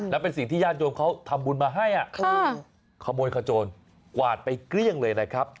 แล้วเป็นสิ่งที่ญาติโยมเขาทำบุญมาให้ขโมยขโจรกวาดไปเกลี้ยงเลยนะครับ